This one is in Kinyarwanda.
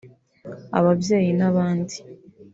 ababyeyi n’abandi